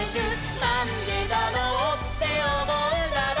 「なんでだろうっておもうなら」